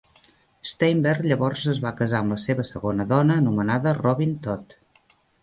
Steinberg llavors es va casar amb la seva segona dona anomenada Robyn Todd.